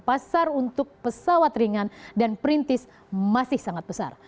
pasar untuk pesawat ringan dan perintis masih sangat besar